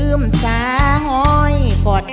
เพลงเพลง